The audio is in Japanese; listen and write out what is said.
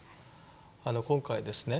今回ですね